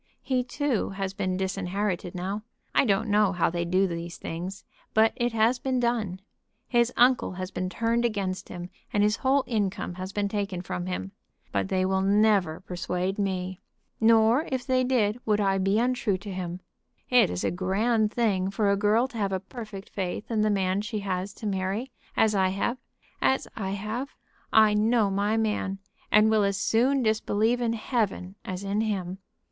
He too has been disinherited now. I don't know how they do these things, but it has been done. His uncle has been turned against him, and his whole income has been taken from him. But they will never persuade me. Nor, if they did, would I be untrue to him. It is a grand thing for a girl to have a perfect faith in the man she has to marry, as I have as I have. I know my man, and will as soon disbelieve in Heaven as in him.